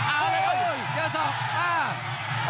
อ้าวโอ้โหเจอสองอ้าว